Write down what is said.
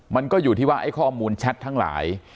มันก็อยู่ที่ว่าไอ้ข้อมูลแชททั้งหลาย